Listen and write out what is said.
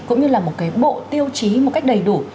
cũng như là một cái bộ tiêu chí một cách đầy đủ